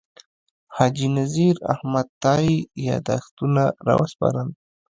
حاجي نذیر احمد تائي یاداښتونه راوسپارل.